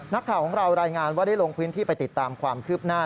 นักข่าวของเรารายงานว่าได้ลงพื้นที่ไปติดตามความคืบหน้า